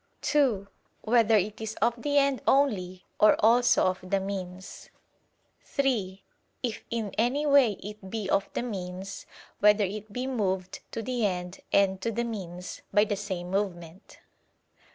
(2) Whether it is of the end only, or also of the means? (3) If in any way it be of the means, whether it be moved to the end and to the means, by the same movement?